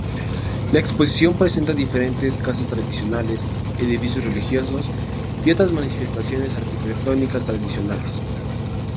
La exposición presenta diferentes casas tradicionales, edificios religiosos y otras manifestaciones arquitectónicas tradicionales.